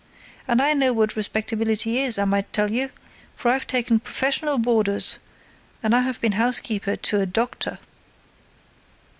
And I know what respectability is, I might tell you, for I've taken professional boarders and I have been housekeeper to a doctor."